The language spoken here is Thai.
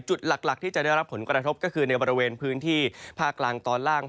จุดหลักที่จะได้รับผลกระทบก็คือในบริเวณพื้นที่ภาคกลางตอนล่าง